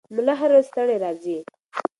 ملا هره ورځ ستړی راځي.